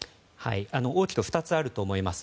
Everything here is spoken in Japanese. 大きく２つあると思います。